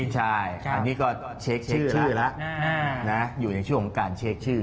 ใช่อันนี้ก็เช็คชื่อแล้วอยู่ในช่วงของการเช็คชื่อ